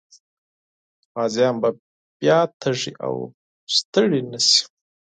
غازيان به بیا تږي او ستړي نه سي.